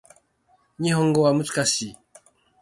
日本語は難しい